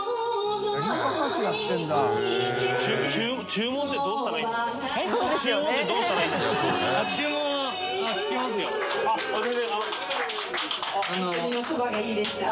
注文ってどうしたらいいんですか？）